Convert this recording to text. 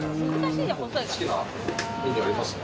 好きなメニューありますか？